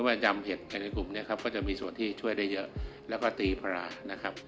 จำเห็ดแต่ในกลุ่มนี้ครับก็จะมีส่วนที่ช่วยได้เยอะแล้วก็ตีพรานะครับ